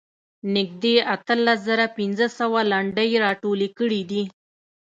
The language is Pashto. نږدې اتلس زره پنځه سوه لنډۍ راټولې کړې دي.